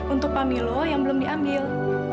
untuk pak milo yang belum diambil